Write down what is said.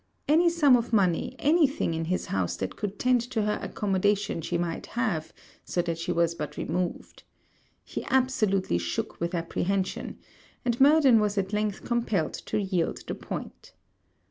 Any sum of money, any thing in his house that could tend to her accommodation she might have, so that she was but removed. He absolutely shook with apprehension; and Murden was at length compelled to yield the point.